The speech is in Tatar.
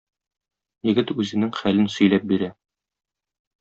Егет үзенең хәлен сөйләп бирә.